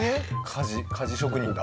鍛冶鍛冶職人だ。